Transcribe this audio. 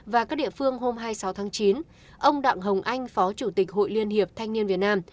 và các địa phương hôm hai mươi sáu tháng chín ông đặng hồng anh phó chủ tịch hội liên hiệp thanh niên việt nam